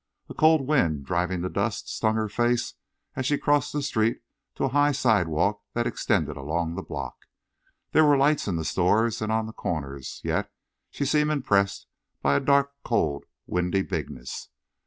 A cold wind, driving the dust, stung her face as she crossed the street to a high sidewalk that extended along the block. There were lights in the stores and on the corners, yet she seemed impressed by a dark, cold, windy bigness.